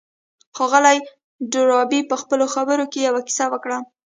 ښاغلي ډاربي په خپلو خبرو کې يوه کيسه وکړه.